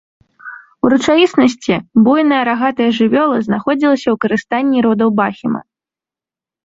У рэчаіснасці, буйная рагатая жывёла знаходзілася ў карыстанні родаў бахіма.